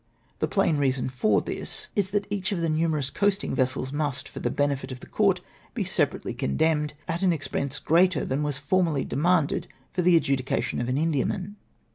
The plain reason for this is, that each of the numerous coasting vessels must, for the benefit of the court, be separately condemned, at an expense greater than ADDRESS TO TllH ELECTORS. 2(5.'; was formerly demanded for the adjudication of an Indiaman